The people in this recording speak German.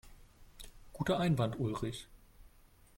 Guter Einwand, Ulrich.